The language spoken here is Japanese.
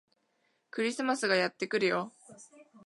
クリスマスがやってくるよ